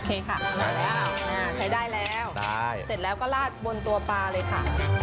ค่ะมาแล้วใช้ได้แล้วเสร็จแล้วก็ลาดบนตัวปลาเลยค่ะ